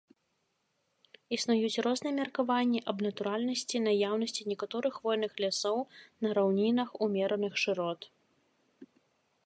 Існуюць розныя меркаванні аб натуральнасці наяўнасці некаторых хвойных лясоў на раўнінах ўмераных шырот.